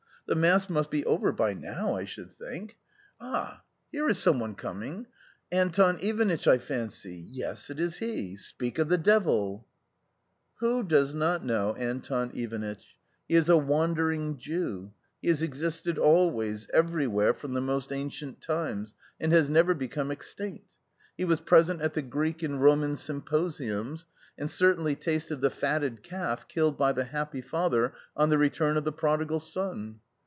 The mass must be over by now, I should think. Ah, here is some one coming ! Anton Ivanitch, I fancy — yes, it is he ; speak of the devil " Who does not know Anton Ivanit ch ? He is a Wander ing Jew. He has existed always, everywhere, from "the niSst ancient times, and has never become extinct. He was present at the Greek and Roman symposiums, and certainly tasted the fatted calf killed by the happy father on the return of the Prodigal Son.